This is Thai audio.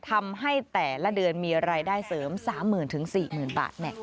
ทำให้แต่ละเดือนมีรายได้เสริม๓๐๐๐๔๐๐๐บาท